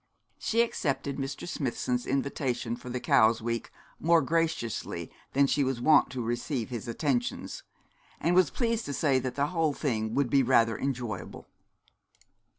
She accepted Mr. Smithson's invitation for the Cowes week more graciously than she was wont to receive his attentions, and was pleased to say that the whole thing would be rather enjoyable.